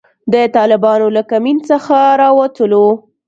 د طالبانو له کمین څخه را ووتلو.